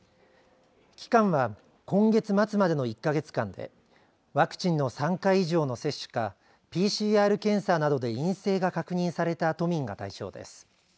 期間は今月末までの１か月間でワクチンの３回以上の接種かＰＣＲ検査などで陰性が確認された都民が対象です。